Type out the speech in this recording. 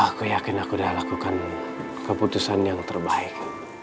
aku yakin aku sudah lakukan keputusan yang terbaik